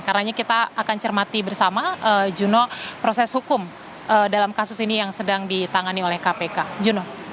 karena kita akan cermati bersama juno proses hukum dalam kasus ini yang sedang ditangani oleh kpk juno